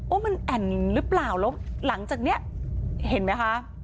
มันแอ่นหรือเปล่าแล้วหลังจากนี้เห็นไหมคะ